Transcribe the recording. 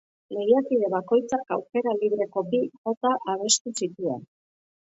Lehiakide bakoitzak aukera libreko bi jota abestu zituen.